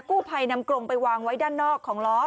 กู้ภัยนำกรงไปวางไว้ด้านนอกของล้อ